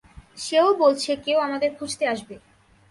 সেও বলছে কেউ আমাদের খুঁজতে আসবে।